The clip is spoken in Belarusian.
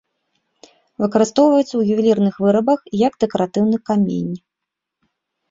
Выкарыстоўваецца ў ювелірных вырабах і як дэкаратыўны камень.